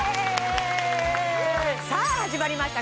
さあ始まりました